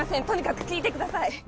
とにかく聞いてください